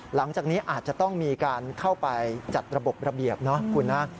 หลังจากนี้อาจจะต้องมีการเข้าไปจัดระบบระเบียบเนาะคุณนะ